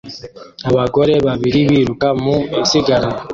Abagore babiri biruka mu isiganwa